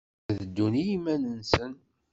Ad ddun i yiman-nsen.